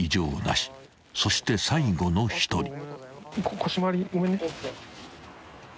［そして最後の一人］